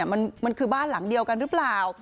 มันคือบ้านหลังเดียวกันหรือเปล่า